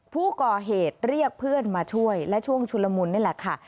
ผู้ก่อเหตุเรียกเพื่อนมาช่วยและช่วงชุลมุนนี่แหละค่ะ